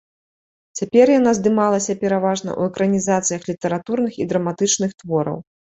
Цяпер яна здымалася пераважна ў экранізацыях літаратурных і драматычных твораў.